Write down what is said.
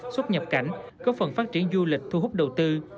xuất nhập cảnh góp phần phát triển du lịch thu hút đầu tư